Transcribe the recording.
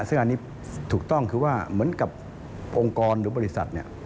ซึ่งอันนี้ถูกต้องคือว่าเหมือนกับองค์กรหรือบริษัทเนี่ย